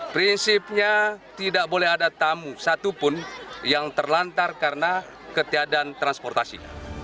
prinsipnya tidak boleh ada tamu satupun yang terlantar karena ketiadaan transportasi